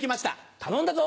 頼んだぞ！